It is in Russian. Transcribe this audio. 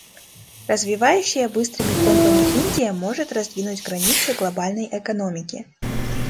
Развивающаяся быстрыми темпами Индия может раздвинуть границы глобальной экономики.